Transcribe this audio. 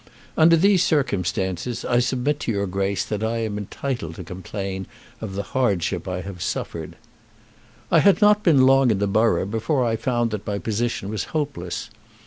Under these circumstances I submit to your Grace that I am entitled to complain of the hardship I have suffered. I had not been long in the borough before I found that my position was hopeless.